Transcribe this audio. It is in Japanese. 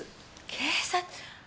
警察。